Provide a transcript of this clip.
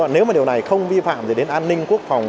nếu mà điều này không vi phạm gì đến an ninh quốc phòng